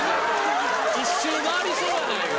一周回りそうやないか。